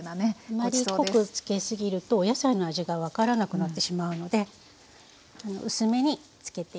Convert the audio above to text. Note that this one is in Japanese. あまり濃く付けすぎるとお野菜の味が分からなくなってしまうので薄めに付けていきましょう。